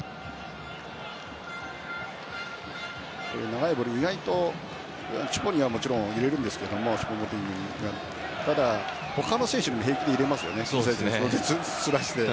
長いボール意外とチュポにはもちろん入れるんですけどただ、他の選手にも平気で入れますよね。